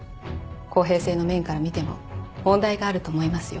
公平性の面から見ても問題があると思いますよ。